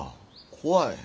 怖い。